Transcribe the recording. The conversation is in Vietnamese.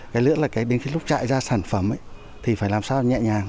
cái lưỡng là đến lúc chạy ra sản phẩm thì phải làm sao nhẹ nhàng